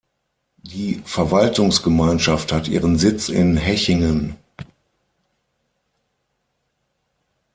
Die Verwaltungsgemeinschaft hat ihren Sitz in Hechingen.